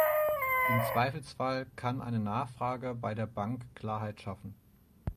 Im Zweifelsfall kann eine Nachfrage bei der Bank Klarheit schaffen.